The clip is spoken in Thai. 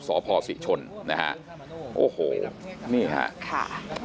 สพศิชนนะครับโอ้โหนี่ค่ะ